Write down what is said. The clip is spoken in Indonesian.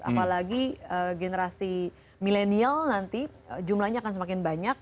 apalagi generasi milenial nanti jumlahnya akan semakin banyak